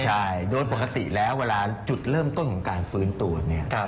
ใช่โดยปกติแล้วเวลาจุดเริ่มต้นของการฟื้นตัวเนี่ย